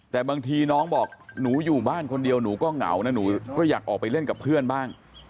แต่บางทีน้องบอกหนูอยู่บ้านคนเดียวหนูก็เหงานะหนูก็อยากออกไปเล่นกับเพื่อนบ้าง